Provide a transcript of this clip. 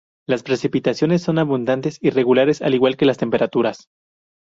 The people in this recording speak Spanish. Las precipitaciones son abundantes y regulares, al igual que las temperaturas.